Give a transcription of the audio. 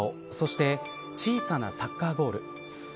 そして小さなサッカーゴール。